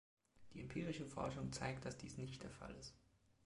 Die empirische Forschung zeigt, dass dies nicht der Fall ist.